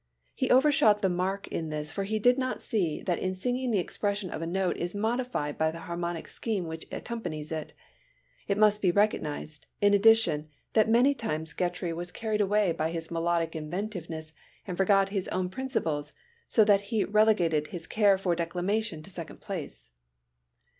He overshot the mark in this for he did not see that in singing the expression of a note is modified by the harmonic scheme which accompanies it. It must be recognized, in addition, that many times Grétry was carried away by his melodic inventiveness and forgot his own principles so that he relegated his care for declamation to second place.